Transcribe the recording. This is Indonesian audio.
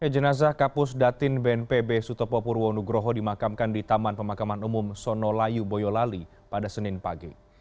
jenazah kapus datin bnpb sutopo purwonugroho dimakamkan di taman pemakaman umum sonolayu boyolali pada senin pagi